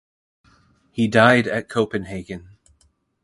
He died at Copenhagen.